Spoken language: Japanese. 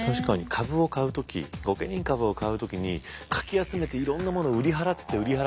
株を買う時御家人株を買う時にかき集めていろんなものを売り払って売り払って７８０万なわけでしょ。